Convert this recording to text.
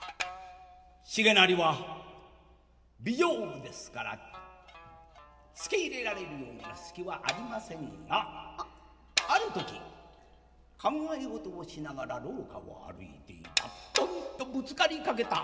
重成は美丈夫ですからつけ入れられるような隙はありませんがある時考え事をしながら廊下を歩いていたトンとぶつかりかけたその相手が山添良寛。